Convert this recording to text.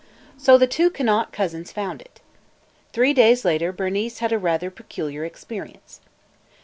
So the two Conant cousins found it. Three days later Bernice had a rather peculiar experience.